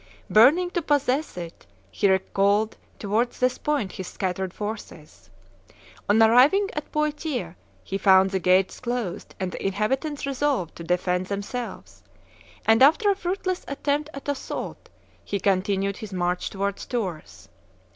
Burning to possess it, he recalled towards this point his scattered forces. On arriving at Poitiers he found the gates closed and the inhabitants resolved to defend themselves; and, after a fruitless attempt at assault, he continued his march towards Tours.